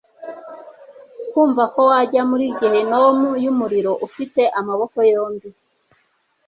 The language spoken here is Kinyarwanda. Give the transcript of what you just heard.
kumva ko wajya muri Gehinomu y'umuriro ufite amaboko yombi.